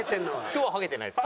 今日はハゲてないです。